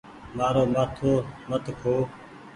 مآرو مآٿو مت کو۔